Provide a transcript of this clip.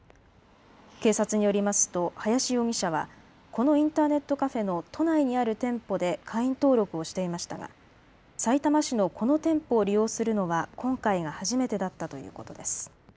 警察によりますと林容疑者はこのインターネットカフェの都内にある店舗で会員登録をしていましたがさいたま市のこの店舗を利用するのは今回が初めてだったということです。